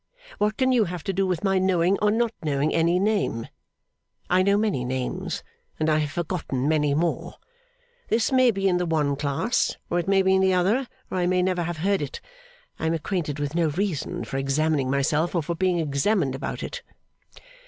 What can you have to do with my knowing or not knowing any name? I know many names and I have forgotten many more. This may be in the one class, or it may be in the other, or I may never have heard it. I am acquainted with no reason for examining myself, or for being examined, about it.